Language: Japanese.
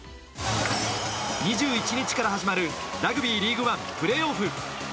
２１日から始まるラグビーリーグワン、プレーオフ。